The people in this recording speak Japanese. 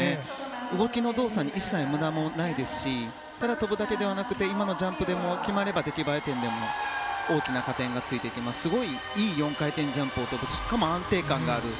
動きの動作に一切無駄もないですしただ跳ぶだけじゃなく今のジャンプも決まれば出来栄え点でも大きな加点がついてきていい４回転ジャンプを跳ぶしかも安定感がある。